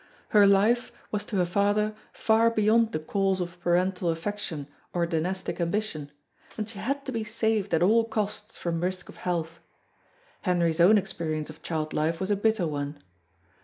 Her life was to her father far beyond the calls of parental affection or dynastic ambition, and she had to be saved at all costs from risk of health. Henry's own experience of child life was a bitter one.